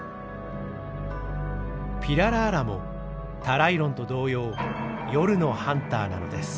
ピララーラもタライロンと同様夜のハンターなのです。